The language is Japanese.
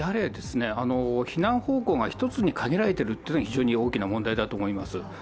避難方向が１つに限られているというのが非常に大きな問題だと思います。